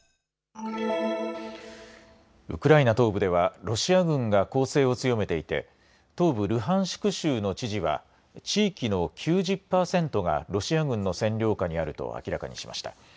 ウクライナ東部ではロシア軍が攻勢を強めていて東部ルハンシク州の知事は地域の９０％がロシア軍の占領下にあると明らかにしました。